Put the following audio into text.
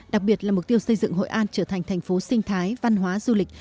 đặc biệt là mục tiêu xây dựng hội an trở thành thành phố sinh thái văn hóa du lịch